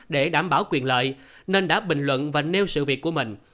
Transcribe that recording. để đảm bảo quyền lợi nên đã bình luận và nêu sự việc của mình